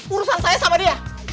urusan saya sama dia